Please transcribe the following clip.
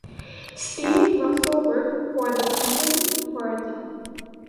Steve Russell worked for the company for a time.